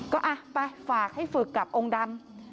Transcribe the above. ก็ไปฝากให้ฝึกกับองค์ดำ